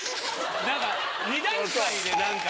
何か２段階で何か。